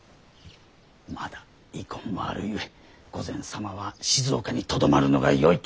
まだ遺恨もあるゆえ御前様は静岡にとどまるのがよいと。